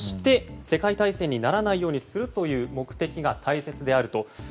世界大戦にならないようにするという目的が大切であると。